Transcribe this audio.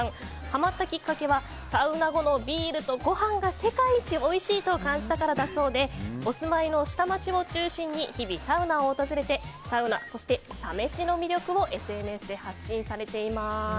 ハマったきっかけはサウナ後のビールとごはんが世界一おいしいと感じたからだそうでお住まいの下町を中心に日々、サウナを訪れてサウナ、サ飯の魅力をＳＮＳで発信されています。